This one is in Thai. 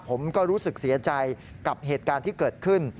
ผมก็รู้สึกเสียใจกับเหตุการณ์ที่เกิดขึ้น